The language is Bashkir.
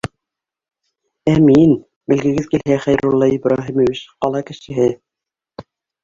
Ә мин, бел гегеҙ килһә, Хәйрулла Ибраһимович, ҡала кешеһе